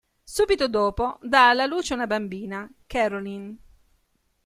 Subito dopo dà alla luce una bambina, Caroline.